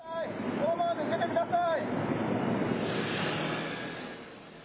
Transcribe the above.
そのまま抜けてください。